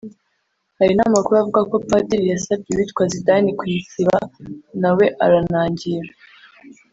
Hari n’amakuru avuga ko Padiri yasabye uwitwa Zidane kuyisiba na we aranangira